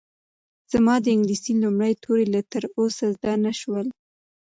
زما د انګلیسي لومړي توري لا تر اوسه زده نه شول.